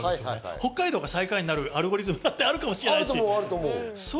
北海道が最下位になるアルゴリズムだってあると思う。